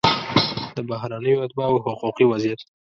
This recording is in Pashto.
د بهرنیو اتباعو حقوقي وضعیت